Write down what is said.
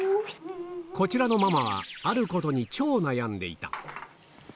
こちらのママは、あることに超悩んでいた。